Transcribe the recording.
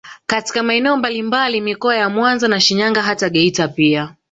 Katika maeneo mbalimbali mikoa ya Mwanza na Shinyanga hata Geita pia